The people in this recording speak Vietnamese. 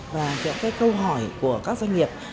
và các câu hỏi của các doanh nghiệp